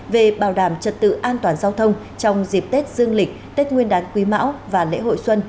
về bảo đảm trật tự an toàn giao thông trong dịp tết dương lịch tết nguyên đán quý mão và lễ hội xuân